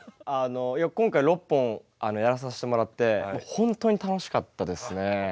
あの今回６本やらさせてもらって本当に楽しかったですね。